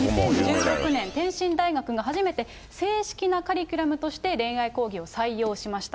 ２０１６年、天津大学が初めて正式なカリキュラムとして恋愛講義を採用しました。